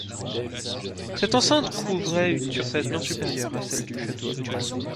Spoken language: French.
Cette enceinte couvrait une surface bien supérieure à celle du château actuel.